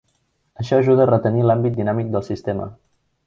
Això ajuda a retenir l'àmbit dinàmic del sistema.